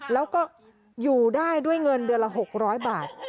แล้วก็อยู่ได้ด้วยเงินเดือนละ๖๐๐บาท